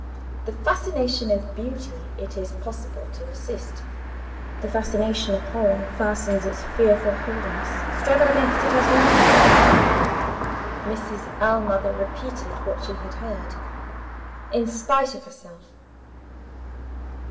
The fascination of beauty it is possible to resist. The fascination of horror fastens its fearful hold on us, struggle against it as we may. Mrs. Ellmother repeated what she had heard, in spite of herself.